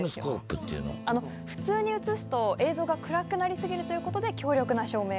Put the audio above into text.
普通に映すと映像が暗くなり過ぎるということで強力な照明が。